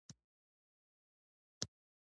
په اسمان کې لا ښکلي ستوري ښکارېده.